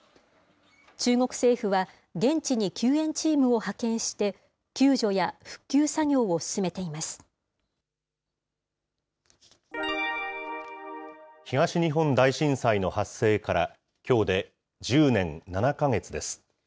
中国政府は、現地に救援チームを派遣して、救助や復旧作業を進め東日本大震災の発生からきょうで１０年７か月です。